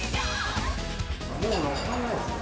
もうのっからないですね。